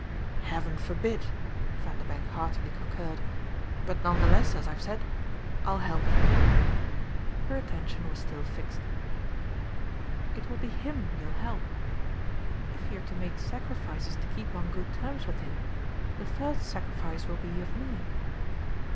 "Heaven forbid!" Vanderbank heartily concurred. "But none the less, as I've said, I'll help you." Her attention was still fixed. "It will be him you'll help. If you're to make sacrifices to keep on good terms with him the first sacrifice will be of me."